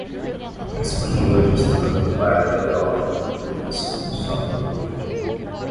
A Espanha hoje está na vanguarda da Europa na implementação do software livre.